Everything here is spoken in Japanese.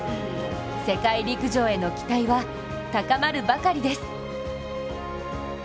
世界陸上への期待は高まるばかりです。